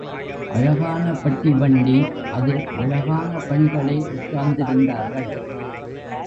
அழகான பெட்டி வண்டி, அதில் அழகான பெண்களே உட்கார்ந்திருந்தார்கள்.